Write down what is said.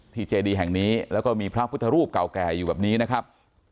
เจดีแห่งนี้แล้วก็มีพระพุทธรูปเก่าแก่อยู่แบบนี้นะครับ